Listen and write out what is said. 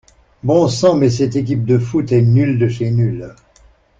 Bon sang mais cette équipe de foot est nulle de chez nulle!